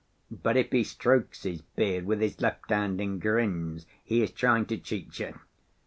But if he strokes his beard with his left hand and grins—he is trying to cheat you.